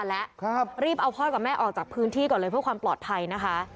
แล้วรีบเอาพ่อกับแม่ออกจากพื้นที่ก่อนเลยเพื่อความปลอดภัยนะคะ